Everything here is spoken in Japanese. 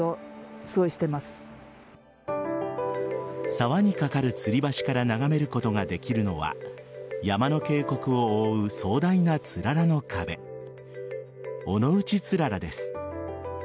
沢に架かるつり橋から眺めることができるのは山の渓谷を覆う壮大なつららの壁尾ノ内氷柱です。